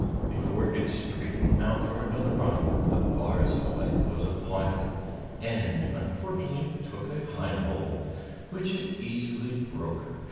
Before it could straighten out for another run, the barzoi was upon it, and unfortunately took a hind hold, which it easily broke.